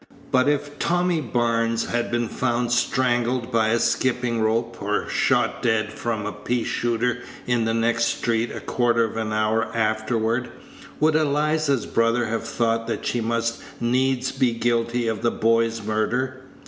But if Tommy Barnes had been found strangled by a skipping rope, or shot dead from a pea shooter in the next street a quarter of an hour afterward, would Eliza's brother have thought that she must needs be guilty of the boy's murder?